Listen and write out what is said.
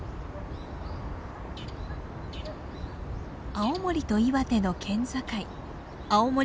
青森と岩手の県境青森県南部町。